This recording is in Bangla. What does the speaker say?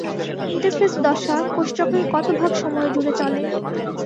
ইন্টারফেজ দশা কোষচক্রের কত ভাগ সময় জুড়ে চলে?